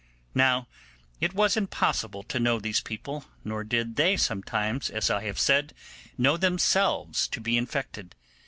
Now it was impossible to know these people, nor did they sometimes, as I have said, know themselves to be infected.